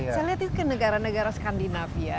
saya lihat itu ke negara negara skandinavia